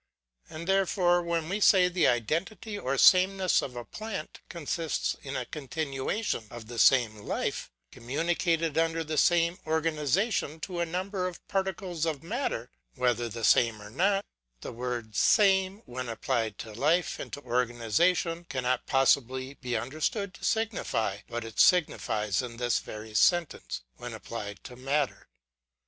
And, therefore, when we say the identity or sameness of a plant consists in a continuation of the same life, communicated under the same organi zation, to a number of particles of matter, whether the same or not ; the word same, when applied to life and to organization, cannot possibly be understood to signify, what it signifies in this very sentence, when applied to matter.